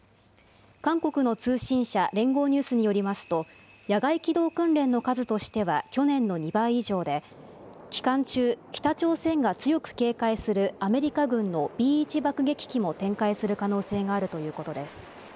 韓国の通信社、連合ニュースによりますと、野外機動訓練の数としては去年の２倍以上で、期間中、北朝鮮が強く警戒するアメリカ軍のＢ１爆撃機も展開する可能性があるということです。